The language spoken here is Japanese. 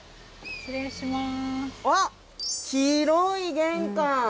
失礼します。